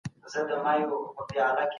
کېدای سي زه سبا درس ولولم.